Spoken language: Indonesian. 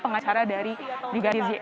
pengacara dari brigadir j